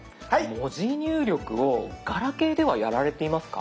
文字入力をガラケーではやられていますか？